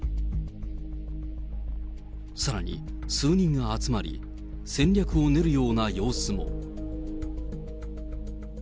さらに、数人が集まり、戦略を練るような様子も。